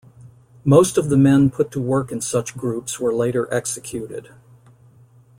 Most of the men put to work in such groups were later executed.